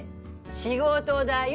仕事だよ。